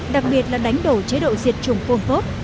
đặc biệt là đánh đổ chế độ diệt chủng phôn phốt